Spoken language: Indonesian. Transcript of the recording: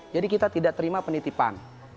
jadi kita tidak terima penitipan